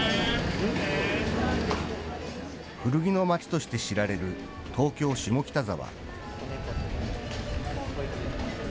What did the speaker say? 古着の街として知られる東京・下北沢。